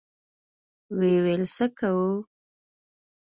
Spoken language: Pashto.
ويې ويل: څه کوو؟